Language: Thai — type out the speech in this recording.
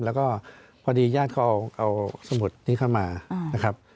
แล้วก็พอดีญาติเขาเอาสมุดนี้เข้ามานะครับ